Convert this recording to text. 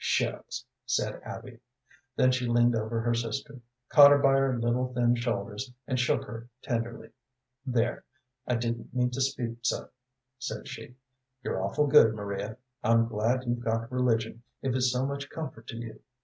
"Shucks!" said Abby. Then she leaned over her sister, caught her by her little, thin shoulders and shook her tenderly. "There, I didn't mean to speak so," said she. "You're awful good, Maria. I'm glad you've got religion if it's so much comfort to you.